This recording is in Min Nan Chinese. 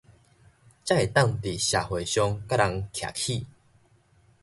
才會當佇社會上佮人徛起